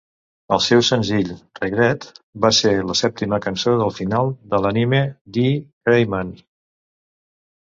El seu senzill "Regret" va ser la sèptima cançó del final de l'anime "D. Gray-man".